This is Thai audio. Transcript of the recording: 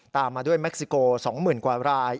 ตามมาด้วยเม็กซิโก๒๐๐๐กว่าราย